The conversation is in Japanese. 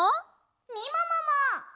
みももも！